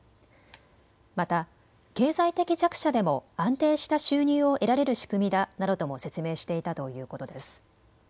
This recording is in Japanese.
また経済的弱者でも安定した収入を得られる仕組みだなどとも説明していたということです。